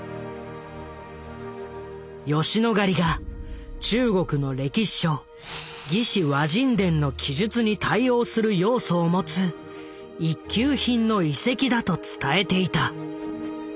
吉野ヶ里が中国の歴史書「魏志倭人伝」の記述に対応する要素を持つ一級品の遺跡だと伝えていた。